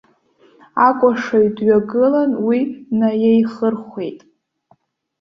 Акәашаҩ дҩагылан уи днаиеихырхәеит.